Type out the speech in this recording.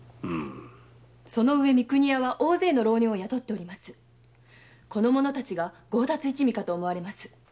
その上三国屋は大勢の浪人を雇っておりこの者たちが強奪一味かと思われます。